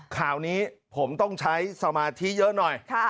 ข่าวนี้ผมต้องใช้สมาธิเยอะหน่อย